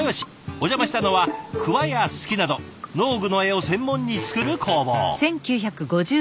お邪魔したのは鍬や鋤など農具の柄を専門に作る工房。